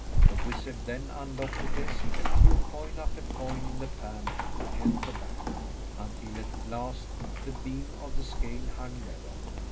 The wizard then unlocked a desk and threw coin after coin in the pan that held the bag, until at last the beam of the scale hung level.